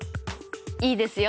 いいですよ！